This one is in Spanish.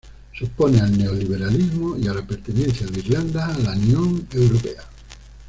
Se opone al neoliberalismo y a la pertenencia de Irlanda a la Unión Europea.